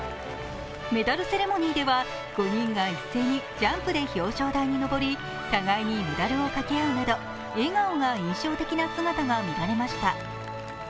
メダルセレモニーでは５人が一斉にジャンプで表彰台に上り、互いにメダルをかけ合うなど笑顔が印象的な姿が見られました。